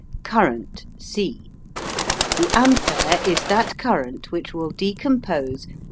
CURRENT C. The Ampere is that current which will decompose 0.